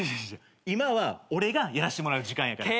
今は俺がやらしてもらう時間やから。